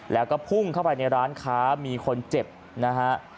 แล้วก็พุ่งเข้าไปในร้านค้ามีคนเจ็บนะฮะ